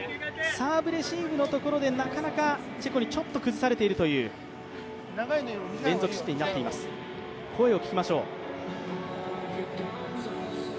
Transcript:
サーブレシーブのところで、なかなかチェコにちょっと崩されているという、連続失点になっています。